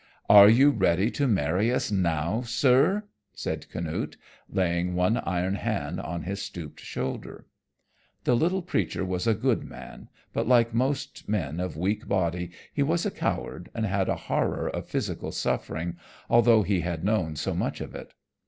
"Are you ready to marry us now, sir?" said Canute, laying one iron hand on his stooped shoulder. The little preacher was a good man, but like most men of weak body he was a coward and had a horror of physical suffering, although he had known so much of it.